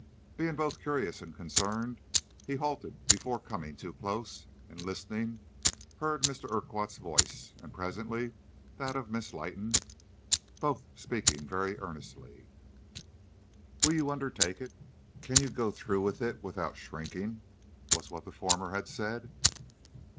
Being both curious and concerned, he halted before coming too close and, listening, heard Mr. Urquhart's voice, and presently that of Miss Leighton, both speaking very earnestly. "'Will you undertake it? Can you go through with it without shrinking?' was what the former had said.